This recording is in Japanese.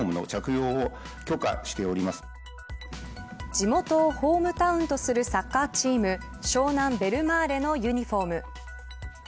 地元をホームタウンとするサッカーチーム湘南ベルマーレのユニホーム。